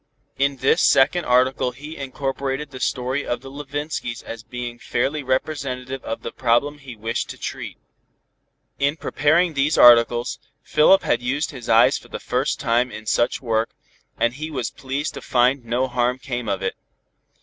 In this second article he incorporated the story of the Levinskys as being fairly representative of the problem he wished to treat. In preparing these articles, Philip had used his eyes for the first time in such work, and he was pleased to find no harm came of it.